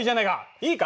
いいか